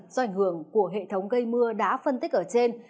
do ảnh hưởng của hệ thống gây mưa đã phân tích ở trên